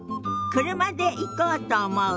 車で行こうと思う。